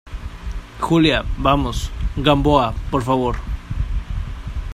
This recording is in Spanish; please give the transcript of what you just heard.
Julia, vamos. Gamboa , por favor .